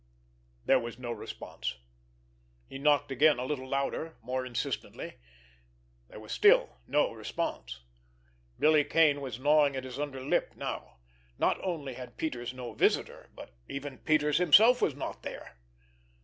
There was no response. He knocked again, a little louder, more insistently. There was still no response. Billy Kane was gnawing at his under lip now. Not only had Peters no visitor, but even Peters himself was not there!